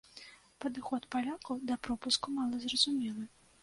Падыход палякаў да пропуску мала зразумелы.